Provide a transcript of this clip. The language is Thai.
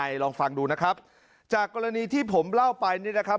ลองฟังดูนะครับจากกรณีที่ผมเล่าไปนี่นะครับ